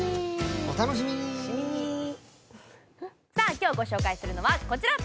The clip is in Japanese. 今日ご紹介するのはこちら。